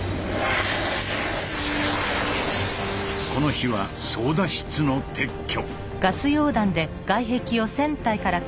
この日は操だ室の撤去。